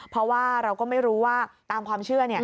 เพราะว่าเราก็ไม่รู้ว่าตามความเชื่อ